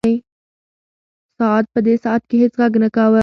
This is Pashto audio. ساعت په دې ساعت کې هیڅ غږ نه کاوه.